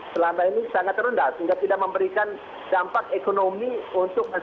selama ini sangat rendah sehingga tidak memberikan dampak ekonomi untuk masyarakat